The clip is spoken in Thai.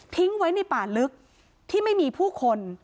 ไว้ในป่าลึกที่ไม่มีผู้คน